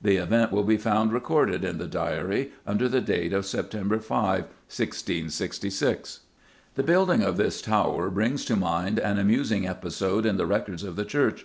The event will be found recorded in the Diary under the date September 5, 1666. The building of this tower brings to mind an amusing episode in the records of the church.